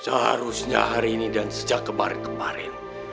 seharusnya hari ini dan sejak kemarin kemarin